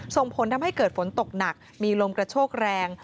ส่งผลทำให้เกิดฝนตกหนักมีลมกระโชกแรง